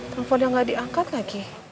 tanpa dia gak diangkat lagi